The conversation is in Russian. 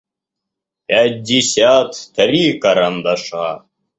пятьдесят три карандаша